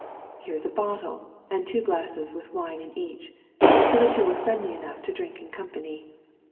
Here is a bottle, and two glasses with wine in each ; so the two were friendly enough to drink in company.